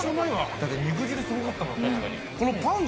だって肉汁すごかったもんね。